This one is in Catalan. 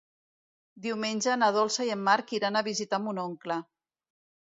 Diumenge na Dolça i en Marc iran a visitar mon oncle.